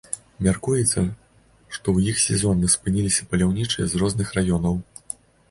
Мяркуецца, што ў іх сезонна спыняліся паляўнічыя з розных раёнаў.